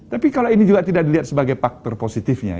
tapi kalau ini juga tidak dilihat sebagai faktor positifnya